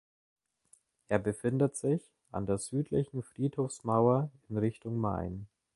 Er befindet sich an der südlichen Friedhofsmauer in Richtung Main.